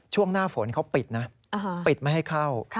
ช่วงหน้าฝนเขาปิดนะปิดไม่ให้เข้า